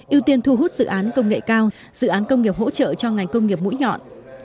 ưu tiên thu hút dự án công nghệ cao dự án công nghiệp hỗ trợ cho ngành công nghiệp mũi nhọn